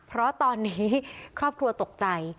เพราะตอนนี้ครอบครัวตกใจ